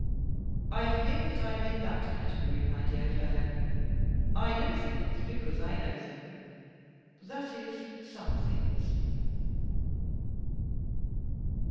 I fear I am in that category, my dear fellow. I know things because I know them — that is, some things."